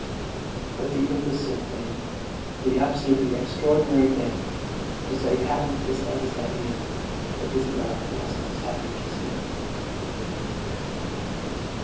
But the imbecile thing, the absolutely extraordinary thing was that he hadn't the slightest idea that Isabel wasn't as happy as he.